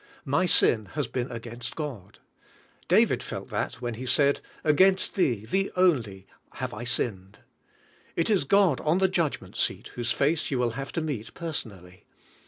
My sin has been against God. 58 ENTRANCE INTO REST David felt that when he said, "Against Thee, Thee only, have I sinned." It is God on the judgment seat whose face you will have to meet personally.